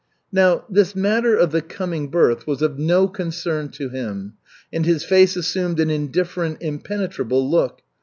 Now, this matter of the coming birth was of no concern to him, and his face assumed an indifferent, impenetrable look.